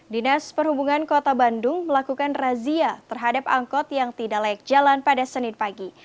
dinas perhubungan kota bandung melakukan razia terhadap angkot yang tidak layak jalan pada senin pagi